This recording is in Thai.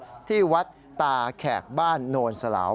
ในโลกที่วัดตาแขกบ้านโนรสลาว